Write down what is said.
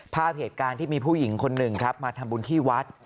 ภาพเหตุการณ์ที่มีผู้หญิงคนหนึ่งครับมาทำบุญที่วัด